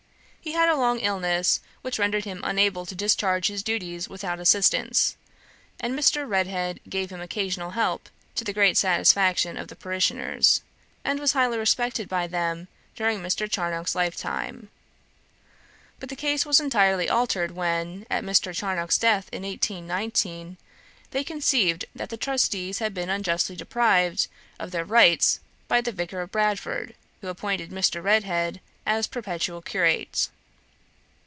He had a long illness which rendered him unable to discharge his duties without assistance, and Mr. Redhead gave him occasional help, to the great satisfaction of the parishioners, and was highly respected by them during Mr. Charnock's lifetime. But the case was entirely altered when, at Mr. Charnock's death in 1819, they conceived that the trustees had been unjustly deprived of their rights by the Vicar of Bradford, who appointed Mr. Redhead as perpetual curate.